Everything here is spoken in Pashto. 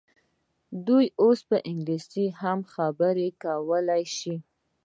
دوی اوس پر انګلیسي هم خبرې کولای شي.